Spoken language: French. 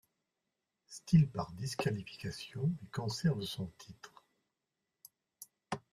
Styles par disqualification et conserve son titre.